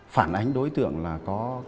phản ánh đối tượng là có